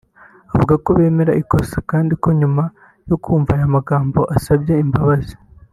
avuga ko bemera ikosa kandi ko nyuma yo kumva aya magambo basabye imbabazi